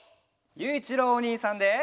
ゆういちろうおにいさんで。